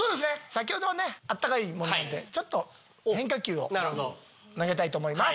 先ほどは温かいものなんでちょっと。を投げたいと思います。